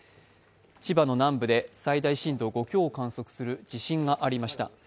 千葉の南部で最大震度５強を観測する地震がありました。